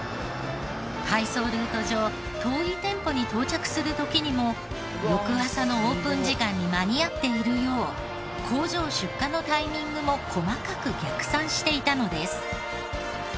配送ルート上遠い店舗に到着する時にも翌朝のオープン時間に間に合っているよう工場出荷のタイミングも細かく逆算していたのです。